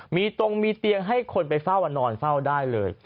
มีตรงมีเตียงให้คนไปเฝ้านอนเฝ้าได้เลย